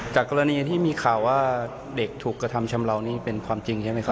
กรณีที่มีข่าวว่าเด็กถูกกระทำชำเลานี่เป็นความจริงใช่ไหมครับ